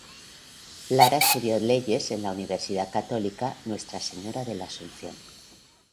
Lara estudió leyes en la Universidad Católica Nuestra Señora de la Asunción.